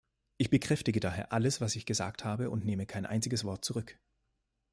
Ich bekräftige daher alles, was ich gesagt habe und nehme kein einziges Wort zurück.